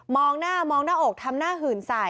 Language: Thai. หน้ามองหน้าอกทำหน้าหื่นใส่